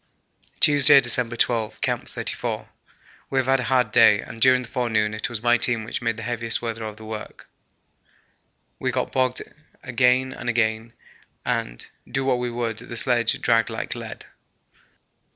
Tuesday, December 12. Camp 34. We have had a hard day, and during the forenoon it was my team which made the heaviest weather of the work. We got bogged again and again, and, do what we would, the sledge dragged like lead.